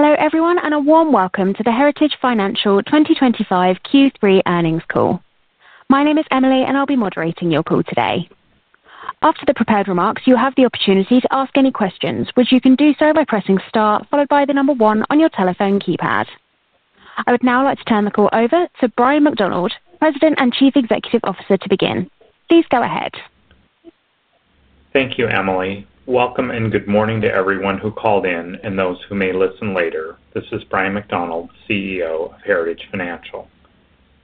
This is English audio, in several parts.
Hello everyone, and a warm welcome to the Heritage Financial 2025 Q3 earnings call. My name is Emily, and I'll be moderating your call today. After the prepared remarks, you'll have the opportunity to ask any questions, which you can do so by pressing star followed by the number one on your telephone keypad. I would now like to turn the call over to Bryan McDonald, President and Chief Executive Officer, to begin. Please go ahead. Thank you, Emily. Welcome and good morning to everyone who called in and those who may listen later. This is Bryan McDonald, CEO of Heritage Financial.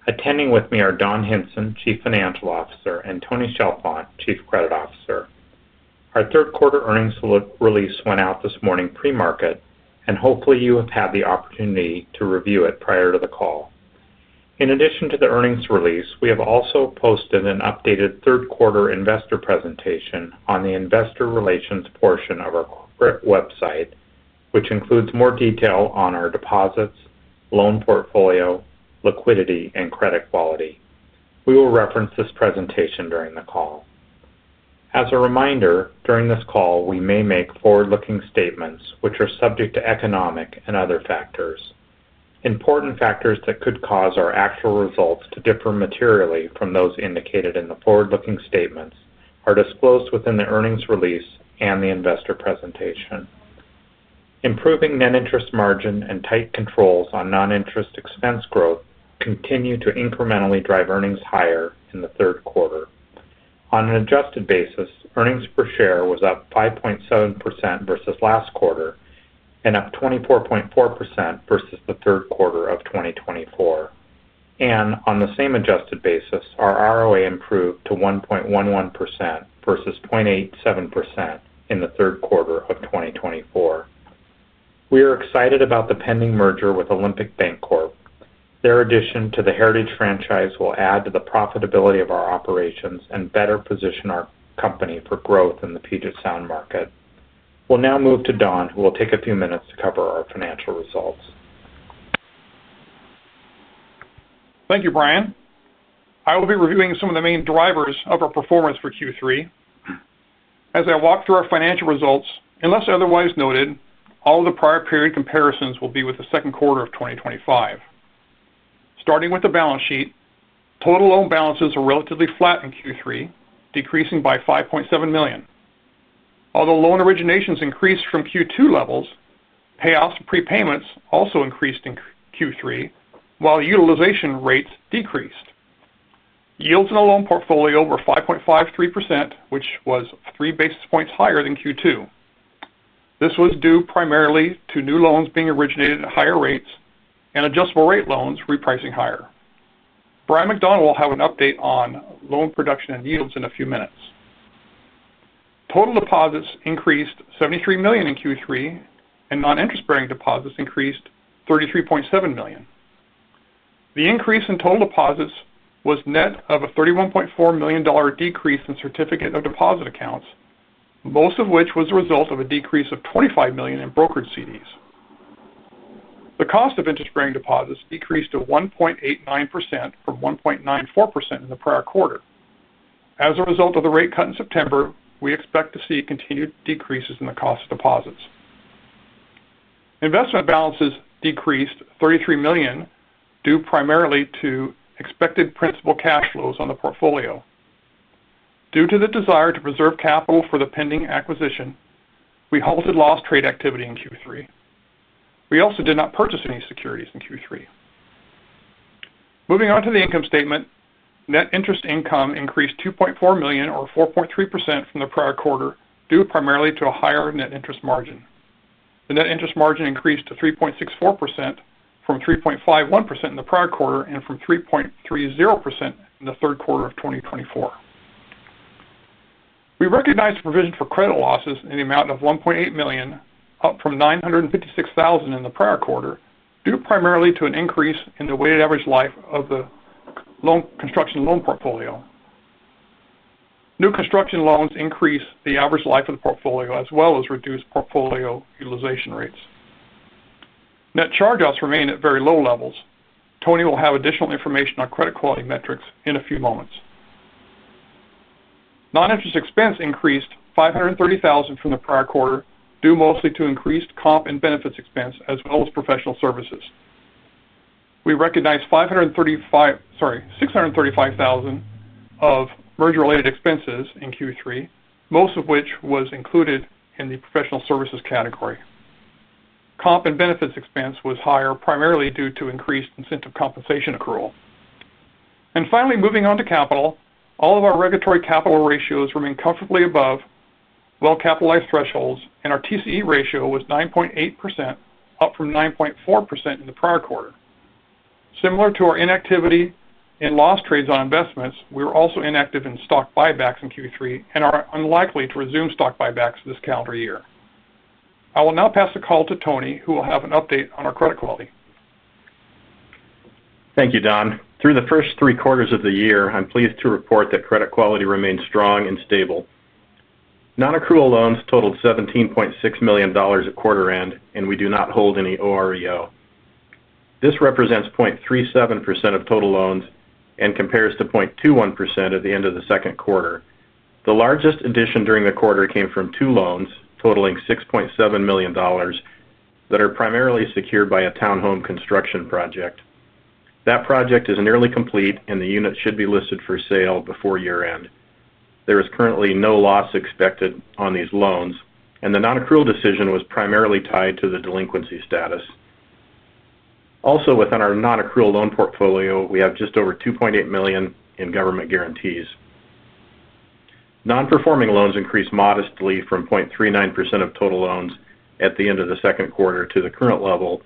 Attending with me are Don Hinson, Chief Financial Officer, and Tony Chalfant, Chief Credit Officer. Our third quarter earnings release went out this morning pre-market, and hopefully you have had the opportunity to review it prior to the call. In addition to the earnings release, we have also posted an updated third quarter investor presentation on the investor relations portion of our corporate website, which includes more detail on our deposits, loan portfolio, liquidity, and credit quality. We will reference this presentation during the call. As a reminder, during this call, we may make forward-looking statements, which are subject to economic and other factors. Important factors that could cause our actual results to differ materially from those indicated in the forward-looking statements are disclosed within the earnings release and the investor presentation. Improving net interest margin and tight controls on non-interest expense growth continue to incrementally drive earnings higher in the third quarter. On an adjusted basis, earnings per share was up 5.7% versus last quarter and up 24.4% versus the third quarter of 2024. On the same adjusted basis, our ROA improved to 1.11% versus 0.87% in the third quarter of 2024. We are excited about the pending merger with Olympic Bank Corp. Their addition to the Heritage franchise will add to the profitability of our operations and better position our company for growth in the Puget Sound market. We'll now move to Don, who will take a few minutes to cover our financial results. Thank you, Bryan. I will be reviewing some of the main drivers of our performance for Q3. As I walk through our financial results, unless otherwise noted, all of the prior period comparisons will be with the second quarter of 2025. starting with the balance sheet, total loan balances are relatively flat in Q3, decreasing by $5.7 million. Although loan originations increased from Q2 levels, payoffs and prepayments also increased in Q3, while utilization rates decreased. Yields in the loan portfolio were 5.53%, which was three basis points higher than Q2. This was due primarily to new loans being originated at higher rates and adjustable rate loans repricing higher. Bryan McDonald will have an update on loan production and yields in a few minutes. Total deposits increased $73 million in Q3, and non-interest-bearing deposits increased $33.7 million. The increase in total deposits was net of a $31.4 million decrease in certificate of deposit accounts, most of which was the result of a decrease of $25 million in brokered CDs. The cost of interest-bearing deposits decreased to 1.89% from 1.94% in the prior quarter. As a result of the rate cut in September, we expect to see continued decreases in the cost of deposits. Investment balances decreased $33 million, due primarily to expected principal cash flows on the portfolio. Due to the desire to preserve capital for the pending acquisition, we halted lost trade activity in Q3. We also did not purchase any securities in Q3. Moving on to the income statement, net interest income increased $2.4 million, or 4.3% from the prior quarter, due primarily to a higher net interest margin. The net interest margin increased to 3.64% from 3.51% in the prior quarter and from 3.30% in the third quarter of 2024. We recognize the provision for credit losses in the amount of $1.8 million, up from $956,000 in the prior quarter, due primarily to an increase in the weighted average life of the construction loan portfolio. New construction loans increase the average life of the portfolio, as well as reduce portfolio utilization rates. Net charge-offs remain at very low levels. Tony will have additional information on credit quality metrics in a few moments. Non-interest expense increased $530,000 from the prior quarter, due mostly to increased comp and benefits expense, as well as professional services. We recognize $635,000 of merger-related expenses in Q3, most of which was included in the professional services category. Comp and benefits expense was higher primarily due to increased incentive compensation accrual. Finally, moving on to capital, all of our regulatory capital ratios remain comfortably above well-capitalized thresholds, and our TCE ratio was 9.8%, up from 9.4% in the prior quarter. Similar to our inactivity in lost trades on investments, we were also inactive in stock buybacks in Q3 and are unlikely to resume stock buybacks this calendar year. I will now pass the call to Tony, who will have an update on our credit quality. Thank you, Don. Through the first three quarters of the year, I'm pleased to report that credit quality remains strong and stable. Non-accrual loans totaled $17.6 million at quarter-end, and we do not hold any OREO. This represents 0.37% of total loans and compares to 0.21% at the end of the second quarter. The largest addition during the quarter came from two loans totaling $6.7 million that are primarily secured by a townhome construction project. That project is nearly complete, and the unit should be listed for sale before year-end. There is currently no loss expected on these loans, and the non-accrual decision was primarily tied to the delinquency status. Also, within our non-accrual loan portfolio, we have just over $2.8 million in government guarantees. Non-performing loans increased modestly from 0.39% of total loans at the end of the second quarter to the current level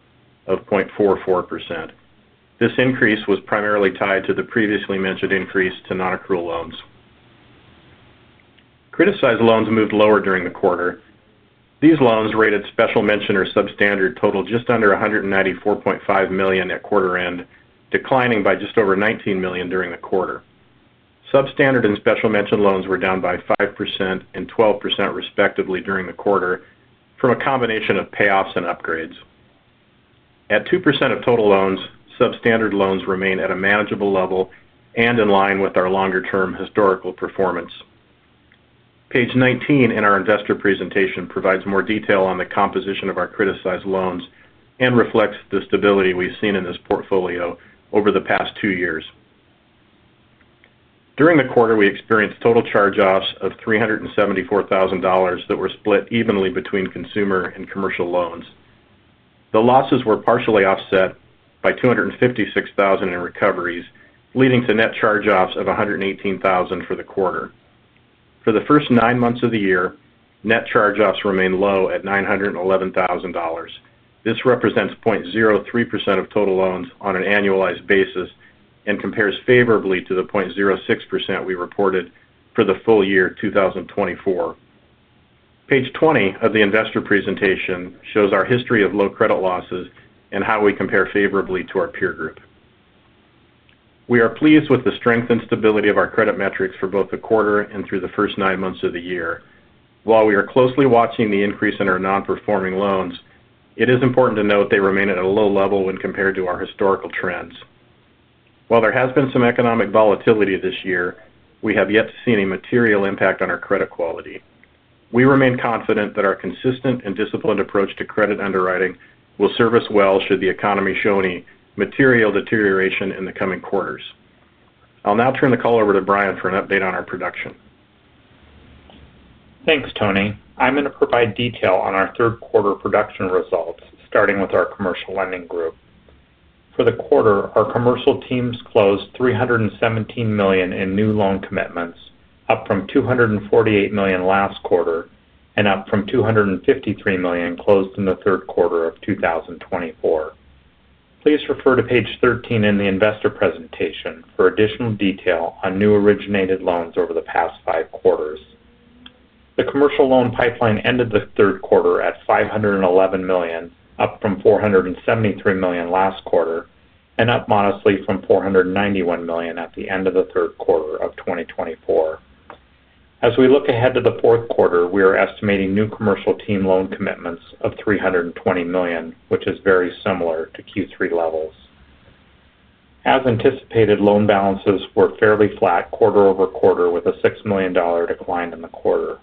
of 0.44%. This increase was primarily tied to the previously mentioned increase to non-accrual loans. Criticized loans moved lower during the quarter. These loans rated special mention or substandard total just under $194.5 million at quarter-end, declining by just over $19 million during the quarter. Substandard and special mention loans were down by 5% and 12% respectively during the quarter from a combination of payoffs and upgrades. At 2% of total loans, substandard loans remain at a manageable level and in line with our longer-term historical performance. Page 19 in our investor presentation provides more detail on the composition of our criticized loans and reflects the stability we've seen in this portfolio over the past two years. During the quarter, we experienced total charge-offs of $374,000 that were split evenly between consumer and commercial loans. The losses were partially offset by $256,000 in recoveries, leading to net charge-offs of $118,000 for the quarter. For the first nine months of the year, net charge-offs remain low at $911,000. This represents 0.03% of total loans on an annualized basis and compares favorably to the 0.06% we reported for the full year 2024. Page 20 of the investor presentation shows our history of low credit losses and how we compare favorably to our peer group. We are pleased with the strength and stability of our credit metrics for both the quarter and through the first nine months of the year. While we are closely watching the increase in our non-performing loans, it is important to note they remain at a low level when compared to our historical trends. While there has been some economic volatility this year, we have yet to see any material impact on our credit quality. We remain confident that our consistent and disciplined approach to credit underwriting will serve us well should the economy show any material deterioration in the coming quarters. I'll now turn the call over to Bryan for an update on our production. Thanks, Tony. I'm going to provide detail on our third quarter production results, starting with our commercial lending group. For the quarter, our commercial teams closed $317 million in new loan commitments, up from $248 million last quarter and up from $253 million closed in the third quarter of 2024. Please refer to page 13 in the investor presentation for additional detail on new originated loans over the past five quarters. The commercial loan pipeline ended the third quarter at $511 million, up from $473 million last quarter and up modestly from $491 million at the end of the third quarter of 2024. As we look ahead to the fourth quarter, we are estimating new commercial team loan commitments of $320 million, which is very similar to Q3 levels. As anticipated, loan balances were fairly flat quarter over quarter, with a $6 million decline in the quarter.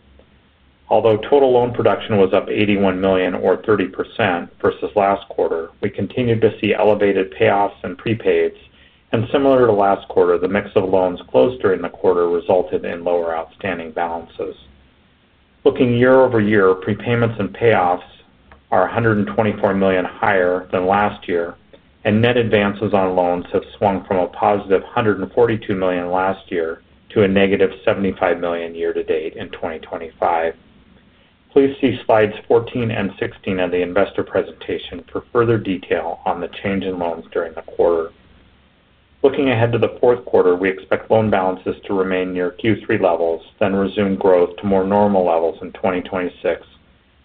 Although total loan production was up $81 million, or 30%, versus last quarter, we continued to see elevated payoffs and prepaids, and similar to last quarter, the mix of loans closed during the quarter resulted in lower outstanding balances. Looking year-over-year, prepayments and payoffs are $124 million higher than last year, and net advances on loans have swung from a positive $142 million last year to a negative $75 million year to date in 2025. Please see slides 14 and 16 of the investor presentation for further detail on the change in loans during the quarter. Looking ahead to the fourth quarter, we expect loan balances to remain near Q3 levels, then resume growth to more normal levels in 2026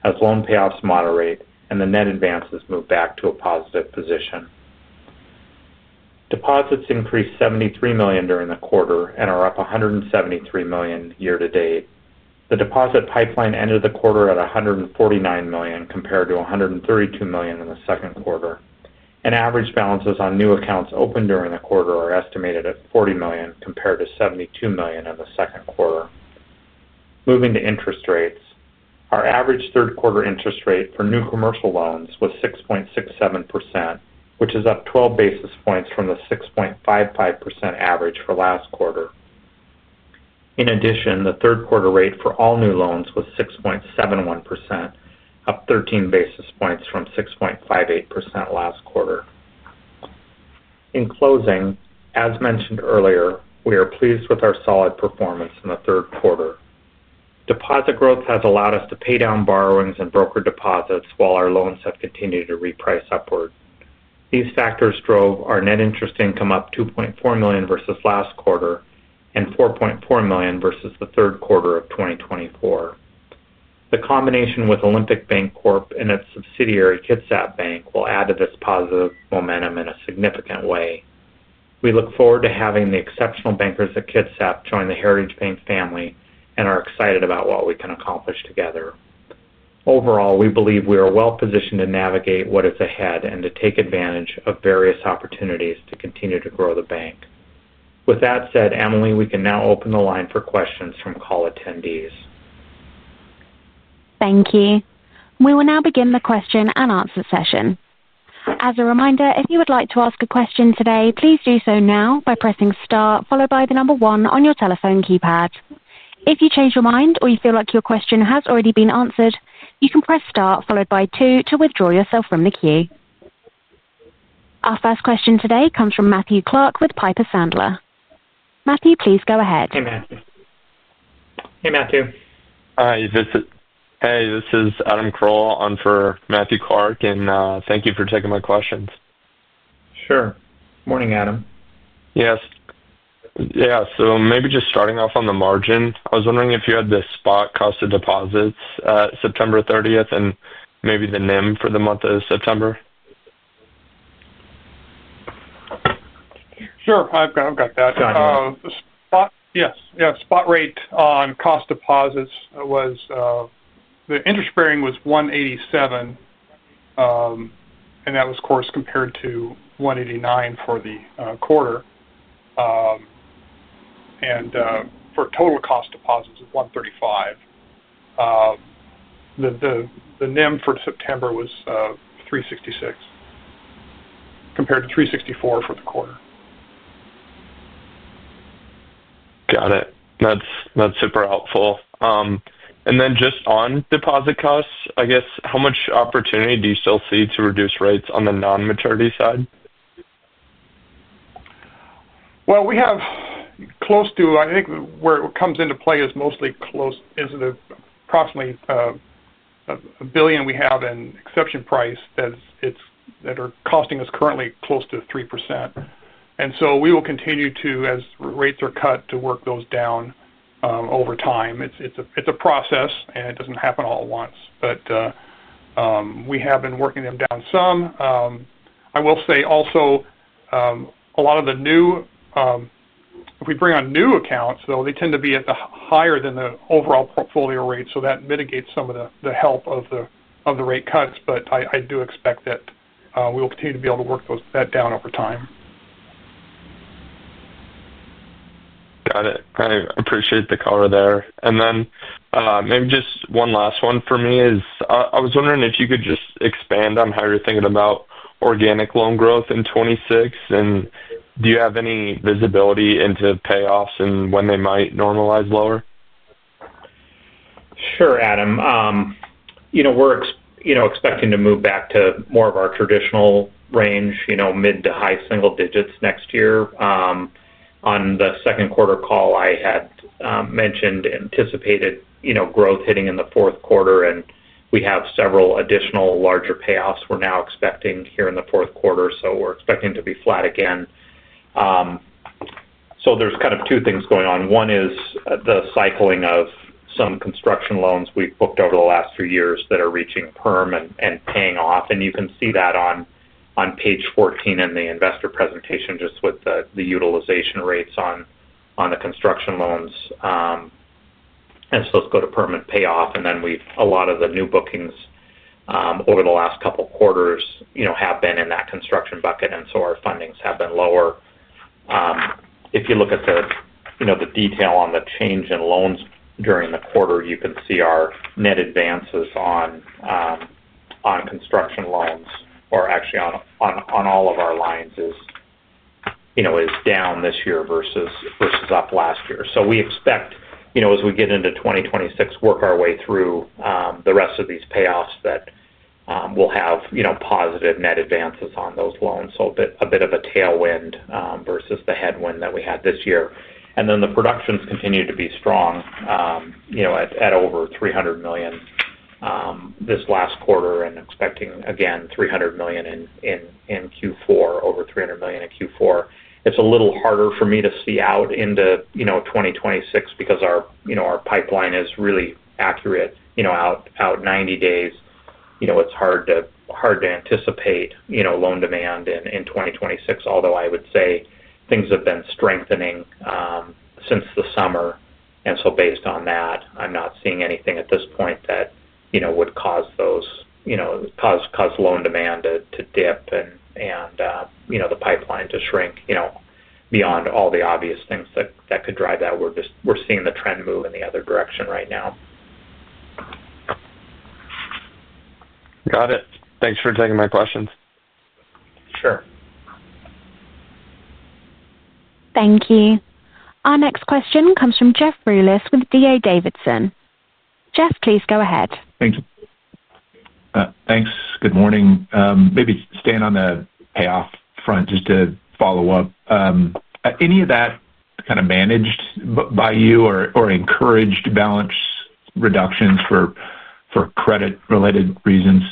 as loan payoffs moderate and the net advances move back to a positive position. Deposits increased $73 million during the quarter and are up $173 million year to date. The deposit pipeline ended the quarter at $149 million, compared to $132 million in the second quarter. Average balances on new accounts open during the quarter are estimated at $40 million, compared to $72 million in the second quarter. Moving to interest rates, our average third quarter interest rate for new commercial loans was 6.67%, which is up 12 basis points from the 6.55% average for last quarter. In addition, the third quarter rate for all new loans was 6.71%, up 13 basis points from 6.58% last quarter. In closing, as mentioned earlier, we are pleased with our solid performance in the third quarter. Deposit growth has allowed us to pay down borrowings and broker deposits while our loans have continued to reprice upward. These factors drove our net interest income up $2.4 million versus last quarter and $4.4 million versus the third quarter of 2024. The combination with Olympic Bank Corp and its subsidiary Kitsap Bank will add to this positive momentum in a significant way. We look forward to having the exceptional bankers at Kitsap join the Heritage Bank family and are excited about what we can accomplish together. Overall, we believe we are well positioned to navigate what is ahead and to take advantage of various opportunities to continue to grow the bank. With that said, Emily, we can now open the line for questions from call attendees. Thank you. We will now begin the question and answer session. As a reminder, if you would like to ask a question today, please do so now by pressing star followed by the number one on your telephone keypad. If you change your mind or you feel like your question has already been answered, you can press star followed by two to withdraw yourself from the queue. Our first question today comes from Matthew Clark with Piper Sandler. Matthew, please go ahead. Hey, Matthew. Hi, this is Adam Kroll on for Matthew Clark, and thank you for taking my questions. Sure. Morning, Adam. Yes. Maybe just starting off on the margin, I was wondering if you had the spot cost of deposits at September 30th and maybe the NIM for the month of September. Sure. I've got that done. Yes. Yeah. Spot rate on cost of deposits was the interest-bearing was 1.87%, and that was, of course, compared to 1.89% for the quarter. For total cost of deposits of 1.35%, the NIM for September was 3.66% compared to 3.64% for the quarter. Got it. That's super helpful. Just on deposit costs, I guess, how much opportunity do you still see to reduce rates on the non-maturity side? I think where it comes into play is mostly close to the approximately $1 billion we have in exception price that are costing us currently close to 3%. We will continue to, as rates are cut, work those down over time. It's a process, and it doesn't happen all at once, but we have been working them down some. I will say also, a lot of the new, if we bring on new accounts, though, they tend to be at the higher than the overall portfolio rate, so that mitigates some of the help of the rate cuts. I do expect that we will continue to be able to work that down over time. Got it. I appreciate the color there. Maybe just one last one for me is, I was wondering if you could just expand on how you're thinking about organic loan growth in 2026, and do you have any visibility into payoffs and when they might normalize lower? Sure, Adam. We're expecting to move back to more of our traditional range, mid to high single digits next year. On the second quarter call, I had mentioned anticipated growth hitting in the fourth quarter, and we have several additional larger payoffs we're now expecting here in the fourth quarter. We're expecting to be flat again. There are kind of two things going on. One is the cycling of some construction loans we've booked over the last few years that are reaching perm and paying off. You can see that on page 14 in the investor presentation, just with the utilization rates on the construction loans. As those go to perm and pay off, a lot of the new bookings over the last couple of quarters have been in that construction bucket, so our fundings have been lower. If you look at the detail on the change in loans during the quarter, you can see our net advances on construction loans, or actually on all of our lines, is down this year versus up last year. We expect as we get into 2026, working our way through the rest of these payoffs, that we'll have positive net advances on those loans. That will be a bit of a tailwind versus the headwind that we had this year. The productions continue to be strong at over $300 million this last quarter and expecting again $300 million in Q4, over $300 million in Q4. It's a little harder for me to see out into 2026 because our pipeline is really accurate out 90 days. It's hard to anticipate loan demand in 2026, although I would say things have been strengthening since the summer. Based on that, I'm not seeing anything at this point that would cause loan demand to dip and the pipeline to shrink, beyond all the obvious things that could drive that. We're seeing the trend move in the other direction right now. Got it. Thanks for taking my questions. Sure. Thank you. Our next question comes from Jeff Rulis with D.A. Davidson. Jeff, please go ahead. Thanks. Good morning. Maybe staying on the payoff front, just to follow up. Are any of that kind of managed by you or encouraged balance reductions for credit-related reasons?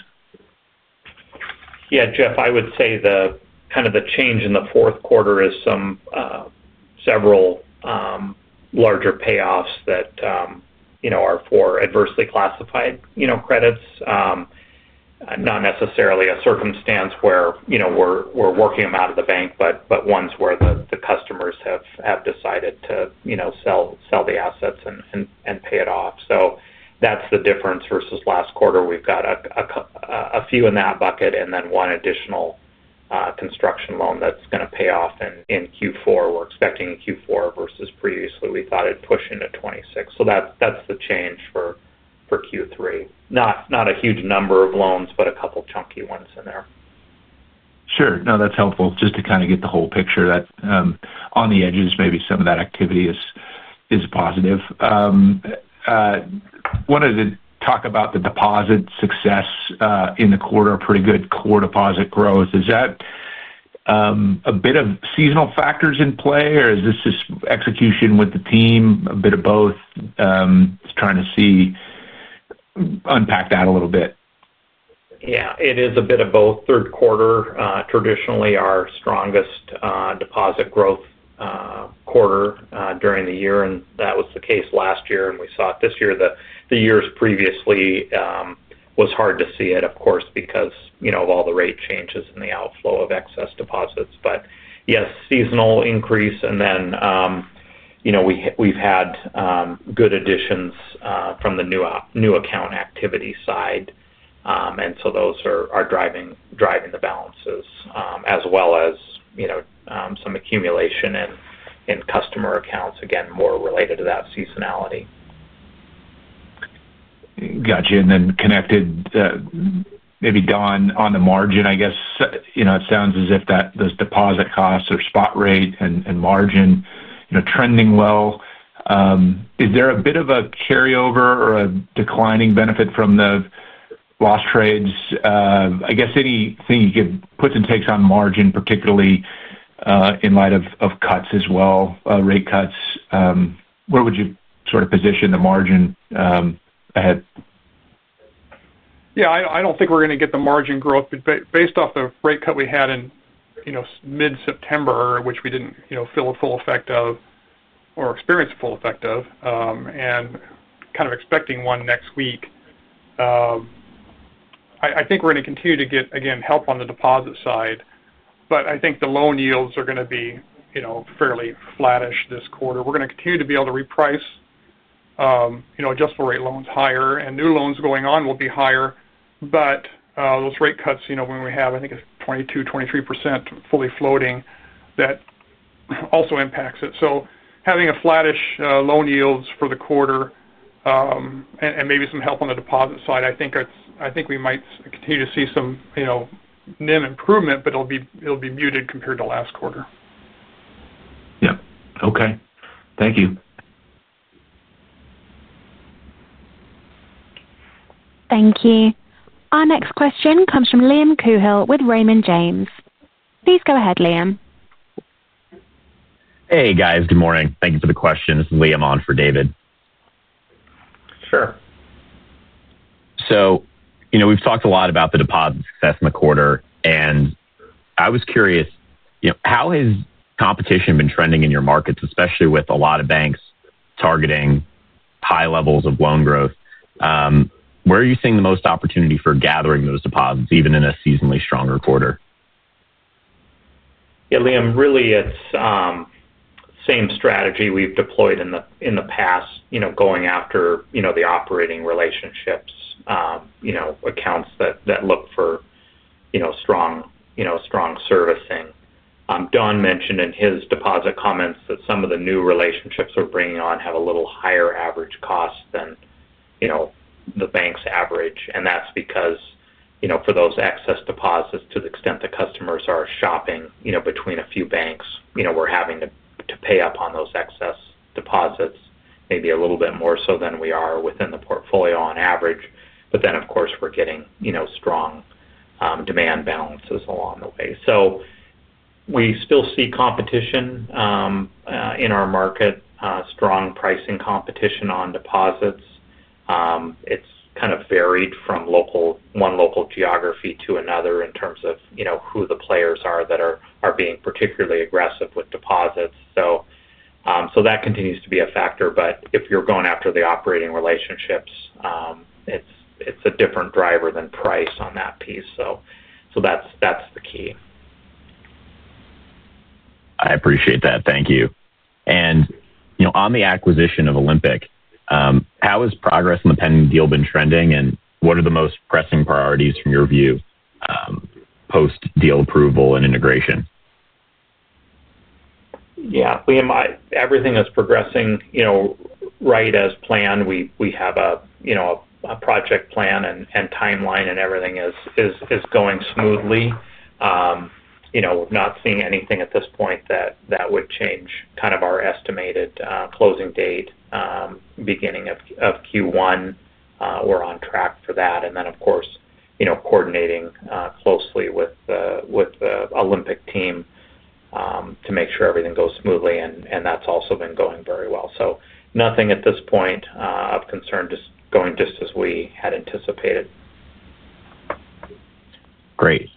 Yeah, Jeff, I would say the kind of the change in the fourth quarter is several larger payoffs that are for adversely classified credits. Not necessarily a circumstance where we're working them out of the bank, but ones where the customers have decided to sell the assets and pay it off. That's the difference versus last quarter. We've got a few in that bucket and then one additional construction loan that's going to pay off in Q4. We're expecting Q4 versus previously we thought it'd push into 2026. That's the change for Q3. Not a huge number of loans, but a couple of chunky ones in there. Sure, that's helpful just to kind of get the whole picture that, on the edges, maybe some of that activity is positive. I wanted to talk about the deposit success in the quarter, pretty good core deposit growth. Is that a bit of seasonal factors in play, or is this just execution with the team, a bit of both? Just trying to see, unpack that a little bit. Yeah, it is a bit of both. Third quarter is traditionally our strongest deposit growth quarter during the year, and that was the case last year, and we saw it this year. The years previously, it was hard to see it, of course, because, you know, of all the rate changes and the outflow of excess deposits. Yes, seasonal increase. We've had good additions from the new account activity side, and so those are driving the balances, as well as, you know, some accumulation in customer accounts, again, more related to that seasonality. Gotcha. Maybe Don, on the margin, I guess, you know, it sounds as if those deposit costs or spot rate and margin, you know, trending well. Is there a bit of a carryover or a declining benefit from the lost trades? I guess anything you could put to takes on margin, particularly in light of cuts as well, rate cuts. Where would you sort of position the margin, ahead? Yeah, I don't think we're going to get the margin growth, but based off the rate cut we had in, you know, mid-September, which we didn't, you know, feel the full effect of or experience the full effect of, and kind of expecting one next week. I think we're going to continue to get, again, help on the deposit side, but I think the loan yields are going to be, you know, fairly flattish this quarter. We're going to continue to be able to reprice, you know, adjustable rate loans higher, and new loans going on will be higher. Those rate cuts, you know, when we have, I think it's 22%, 23% fully floating, that also impacts it. Having a flattish loan yields for the quarter, and maybe some help on the deposit side, I think it's, I think we might continue to see some, you know, NIM improvement, but it'll be muted compared to last quarter. Yeah, okay. Thank you. Thank you. Our next question comes from Liam Coohill with Raymond James. Please go ahead, Liam. Hey, guys. Good morning. Thank you for the question. This is Liam on for David. Sure. We've talked a lot about the deposit success in the quarter, and I was curious, you know, how has competition been trending in your markets, especially with a lot of banks targeting high levels of loan growth? Where are you seeing the most opportunity for gathering those deposits, even in a seasonally stronger quarter? Yeah, Liam, really, it's the same strategy we've deployed in the past, you know, going after the operating relationships, you know, accounts that look for strong, you know, strong servicing. Don mentioned in his deposit comments that some of the new relationships we're bringing on have a little higher average cost than the bank's average. That's because, you know, for those excess deposits, to the extent the customers are shopping between a few banks, we're having to pay up on those excess deposits, maybe a little bit more so than we are within the portfolio on average. Of course, we're getting strong demand balances along the way. We still see competition in our market, strong pricing competition on deposits. It's kind of varied from one local geography to another in terms of who the players are that are being particularly aggressive with deposits. That continues to be a factor. If you're going after the operating relationships, it's a different driver than price on that piece. That's the key. I appreciate that. Thank you. On the acquisition of Olympic, how has progress in the pending deal been trending, and what are the most pressing priorities from your view post-deal approval and integration? Yeah, Liam, everything is progressing right as planned. We have a project plan and timeline, and everything is going smoothly. We're not seeing anything at this point that would change kind of our estimated closing date, beginning of Q1. We're on track for that. Of course, coordinating closely with the Olympic team to make sure everything goes smoothly. That's also been going very well. Nothing at this point of concern, just going just as we had anticipated. Great.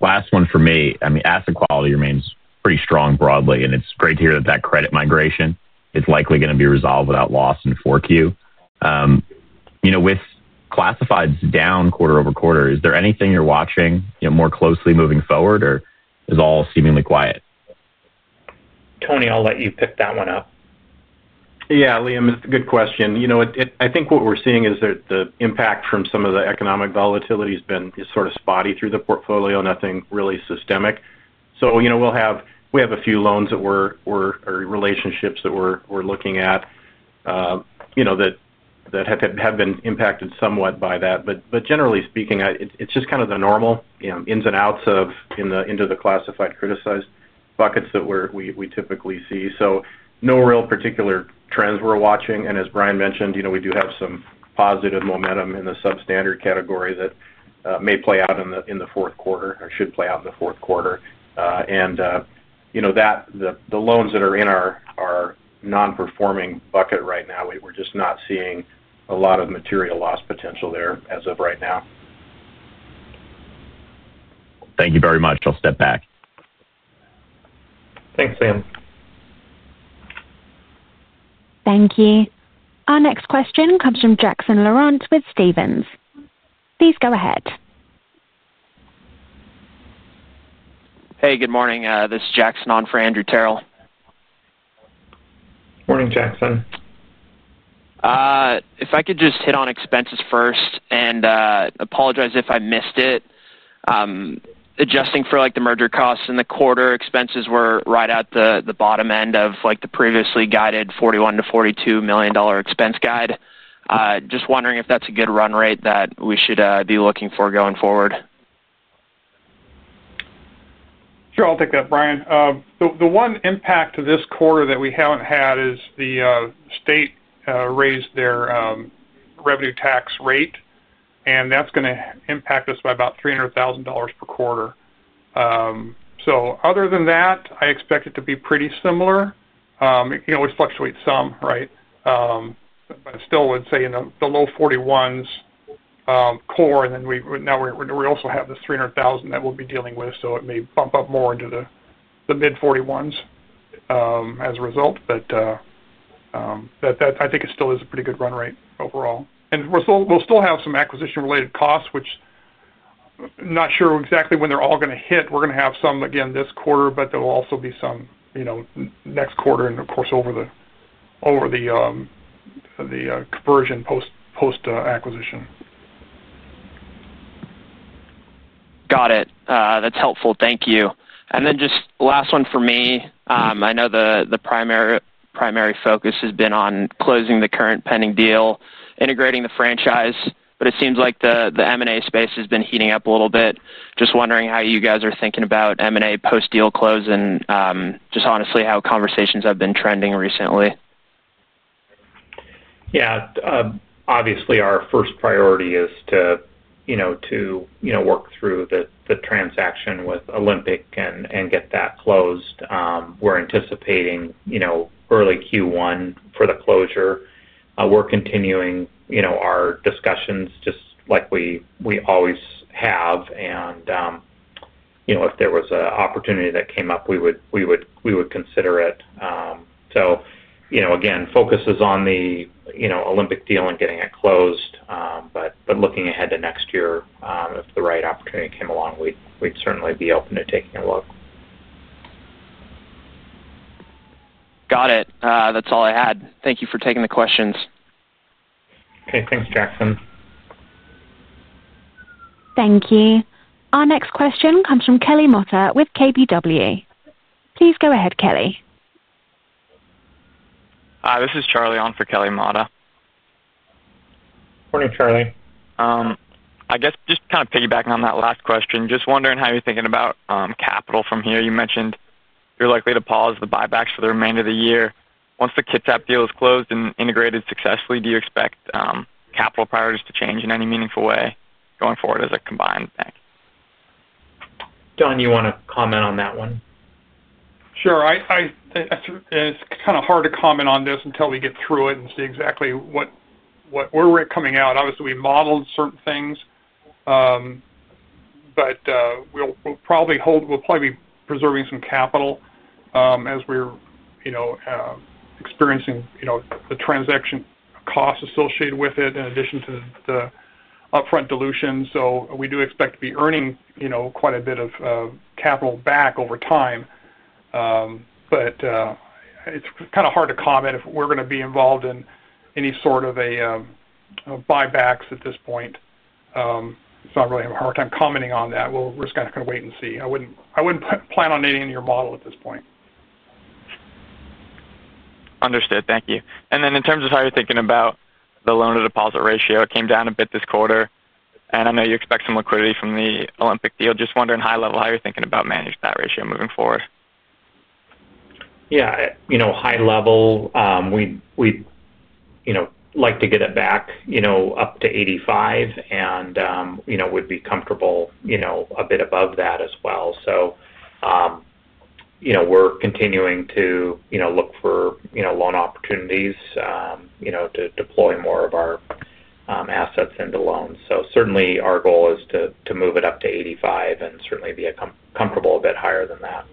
Last one for me. I mean, asset quality remains pretty strong broadly, and it's great to hear that credit migration is likely going to be resolved without loss in 4Q. With classifieds down quarter over quarter, is there anything you're watching more closely moving forward, or is all seemingly quiet? Tony, I'll let you pick that one up. Yeah, Liam, it's a good question. I think what we're seeing is that the impact from some of the economic volatility has been sort of spotty through the portfolio, nothing really systemic. We have a few loans or relationships that we're looking at that have been impacted somewhat by that. Generally speaking, it's just kind of the normal ins and outs into the classified criticized buckets that we typically see. No real particular trends we're watching. As Bryan mentioned, we do have some positive momentum in the substandard category that may play out in the fourth quarter or should play out in the fourth quarter. The loans that are in our non-performing bucket right now, we're just not seeing a lot of material loss potential there as of right now. Thank you very much. I'll step back. Thanks, Liam. Thank you. Our next question comes from Jackson Laurent with Stephens. Please go ahead. Hey, good morning. This is Jackson on for Andrew Terrell. Morning, Jackson. If I could just hit on expenses first and apologize if I missed it. Adjusting for the merger costs in the quarter, expenses were right at the bottom end of the previously guided $41 million-$42 million expense guide. Just wondering if that's a good run rate that we should be looking for going forward. Sure, I'll take that, Bryan. The one impact to this quarter that we haven't had is the state raised their revenue tax rate, and that's going to impact us by about $300,000 per quarter. Other than that, I expect it to be pretty similar. You know, we fluctuate some, right? I still would say in the low 41s core, and now we also have this $300,000 that we'll be dealing with. It may bump up more into the mid 41s as a result. I think it still is a pretty good run rate overall. We'll still have some acquisition-related costs, which I'm not sure exactly when they're all going to hit. We're going to have some, again, this quarter, but there will also be some next quarter and, of course, over the conversion post-acquisition. Got it. That's helpful. Thank you. Just last one for me. I know the primary focus has been on closing the current pending deal, integrating the franchise, but it seems like the M&A space has been heating up a little bit. Just wondering how you guys are thinking about M&A post-deal close and honestly how conversations have been trending recently. Obviously, our first priority is to work through the transaction with Olympic and get that closed. We're anticipating early Q1 for the closure. We're continuing our discussions just like we always have. If there was an opportunity that came up, we would consider it. Again, focus is on the Olympic deal and getting it closed. Looking ahead to next year, if the right opportunity came along, we'd certainly be open to taking a look. Got it. That's all I had. Thank you for taking the questions. Okay. Thanks, Jackson. Thank you. Our next question comes from Kelly Motta with KBW. Please go ahead, Kelly. Hi. This is Charlie on for Kelly Motta. Morning, Charlie. I guess just kind of piggybacking on that last question, just wondering how you're thinking about capital from here. You mentioned you're likely to pause the buybacks for the remainder of the year. Once the Kitsap deal is closed and integrated successfully, do you expect capital priorities to change in any meaningful way going forward as a combined bank? Don, you want to comment on that one? Sure. It's kind of hard to comment on this until we get through it and see exactly where we're coming out. Obviously, we modeled certain things, but we'll probably be preserving some capital as we're experiencing the transaction costs associated with it in addition to the upfront dilution. We do expect to be earning quite a bit of capital back over time. It's kind of hard to comment if we're going to be involved in any sort of buybacks at this point. I really have a hard time commenting on that. We're just going to kind of wait and see. I wouldn't plan on anything in your model at this point. Understood. Thank you. In terms of how you're thinking about the loan-to-deposit ratio, it came down a bit this quarter. I know you expect some liquidity from the Olympic deal. Just wondering high-level how you're thinking about managing that ratio moving forward. Yeah. High-level, we'd like to get it back up to 85%, and we'd be comfortable a bit above that as well. We're continuing to look for loan opportunities to deploy more of our assets into loans. Our goal is to move it up to 85% and be comfortable a bit higher than that.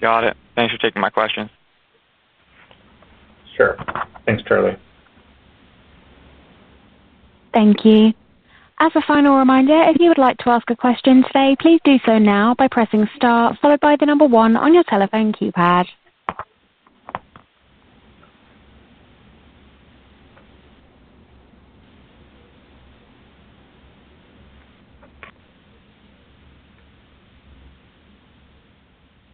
Got it. Thanks for taking my question. Sure. Thanks, Charlie. Thank you. As a final reminder, if you would like to ask a question today, please do so now by pressing star followed by the number one on your telephone keypad.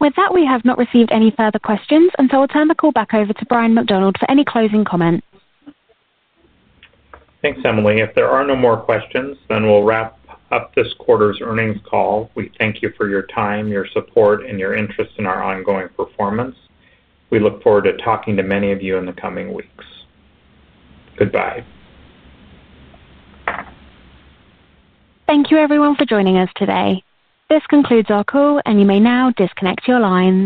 With that, we have not received any further questions, and I'll turn the call back over to Bryan McDonald for any closing comments. Thanks, Emily. If there are no more questions, then we'll wrap up this quarter's earnings call. We thank you for your time, your support, and your interest in our ongoing performance. We look forward to talking to many of you in the coming weeks. Goodbye. Thank you, everyone, for joining us today. This concludes our call, and you may now disconnect your lines.